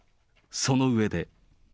その上で。